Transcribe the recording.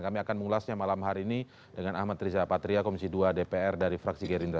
kami akan mengulasnya malam hari ini dengan ahmad riza patria komisi dua dpr dari fraksi gerindra